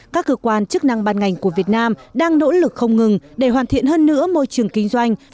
các cơ quan chức năng ban ngành của việt nam đang nỗ lực không ngừng để hoàn thiện hơn nữa môi trường kinh doanh